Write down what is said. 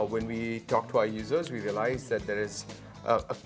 ketika kita berbicara dengan pengguna